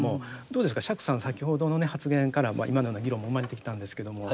どうですか釈さん先ほどの発言から今のような議論も生まれてきたんですけども。